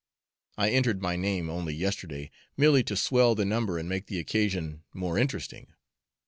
I entered my name only yesterday, merely to swell the number and make the occasion more interesting.